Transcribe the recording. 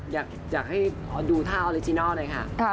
อยากให้ดูท่าออริจินัลหน่อยค่ะ